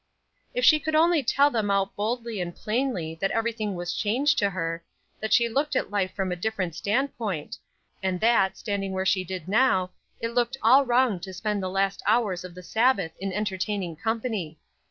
If she could only tell them out boldly and plainly that everything was changed to her, that she looked at life from a different standpoint; and that, standing where she did now, it looked all wrong to spend the last hours of the Sabbath in entertaining company.